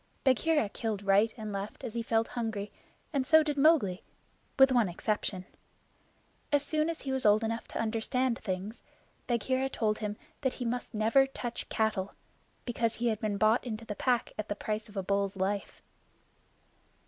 Bagheera killed right and left as he felt hungry, and so did Mowgli with one exception. As soon as he was old enough to understand things, Bagheera told him that he must never touch cattle because he had been bought into the Pack at the price of a bull's life.